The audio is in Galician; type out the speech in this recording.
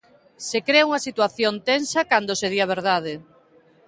Se crea unha situación tensa cando se di a verdade.